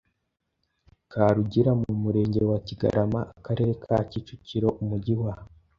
Karugira, mu Murenge wa Kigarama, Akarere ka Kicukiro, Umujyi wa